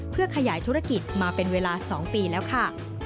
เพื่อขยายธุรกิจมาเป็นเวลา๒ปีแล้วค่ะ